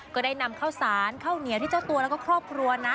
ก็ได้นำข้าวสารข้าวเหนียวที่เจ้าตัวแล้วก็ครอบครัวนะ